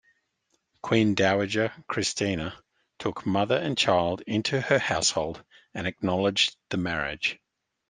Queen Dowager Christina took mother and child into her household and acknowledged the marriage.